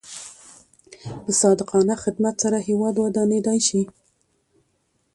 په صادقانه خدمت سره هیواد ودانېدای شي.